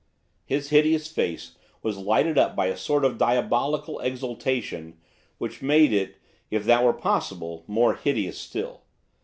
His hideous face was lighted up by a sort of diabolical exultation which made it, if that were possible, more hideous still.